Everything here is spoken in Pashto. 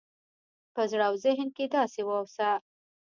په زړه او ذهن کې داسې واوسه